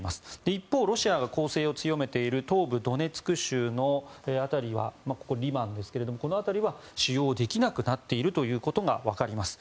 一方、ロシアが攻勢を強めている東部ドネツク州の辺りはリマンですが、この辺りは使用できなくなっていることがわかります。